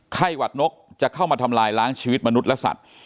หวัดนกจะเข้ามาทำลายล้างชีวิตมนุษย์และสัตว์